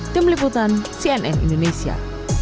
tim liputan cnn indonesia